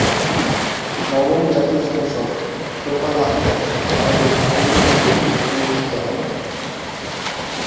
নবম জাতীয় সংসদ তোফায়েল আহমেদ বাংলাদেশ আওয়ামী লীগ হতে নির্বাচিত হন।